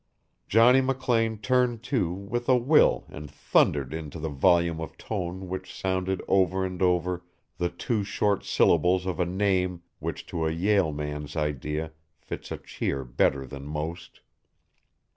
Johnny McLean turned to with a will and thundered into the volume of tone which sounded over and over the two short syllables of a name which to a Yale man's idea fits a cheer better than most.